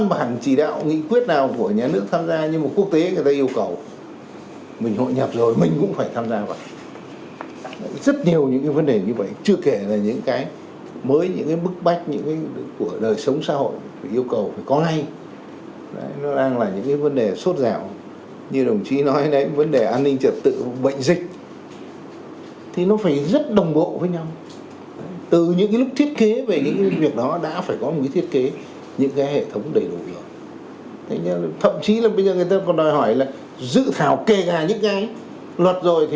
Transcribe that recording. thậm chí là bây giờ người ta còn đòi hỏi là dự thảo kề gà những cái luật rồi thì phải có những thông tư đi kèm theo những cái nghị định đi kèm theo